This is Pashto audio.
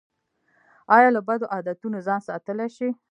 ایا له بدو عادتونو ځان ساتلی شئ؟